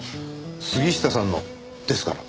杉下さんのですから。